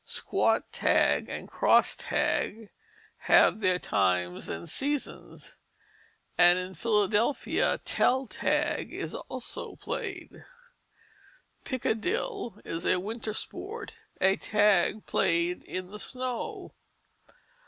Squat tag and cross tag have their times and seasons, and in Philadelphia tell tag is also played. Pickadill is a winter sport, a tag played in the snow.